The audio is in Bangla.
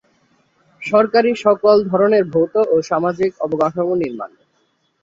সরকারী সকল ধরনের ভৌত ও সামাজিক অবকাঠামো নির্মাণ।